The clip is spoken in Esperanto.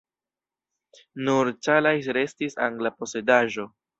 Nur Calais restis angla posedaĵo.